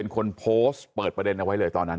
ค่ะ